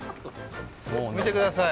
見てください。